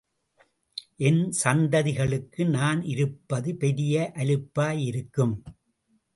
என் சந்ததி களுக்கு நான் இருப்பது பெரிய அலுப்பாயிருக்கும்.